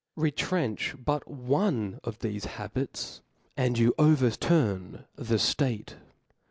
Retrench but one of thefe habits, and you over turn the ftate.